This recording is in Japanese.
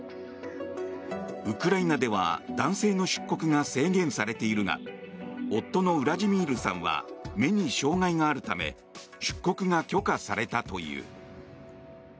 ウクライナでは男性の出国が制限されているが夫のウラジミールさんは目に障害があるため出国が許可されたという。